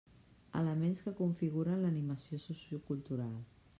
Elements que configuren l'animació sociocultural.